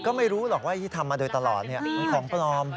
ก็ไม่รู้หรอกว่าที่ทำมาโดยตลอดมันของปลอม